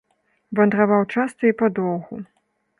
Вандраваў часта і падоўгу.